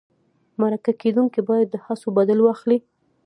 مرکه کېدونکی باید د هڅو بدل واخلي.